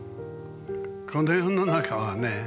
この世の中はね